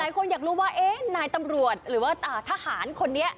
หลายคนอยากรู้ว่านายตำรวจหรือว่าทหารคนนี้